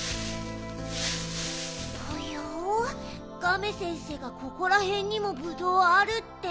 ぽよガメ先生がここらへんにもぶどうあるって。